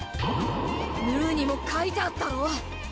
『ムー』にも書いてあったろ。